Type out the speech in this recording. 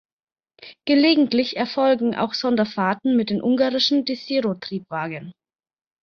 Gelegentlich erfolgen auch Sonderfahrten mit den ungarischen Desiro-Triebwagen.